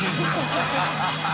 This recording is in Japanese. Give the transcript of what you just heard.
ハハハ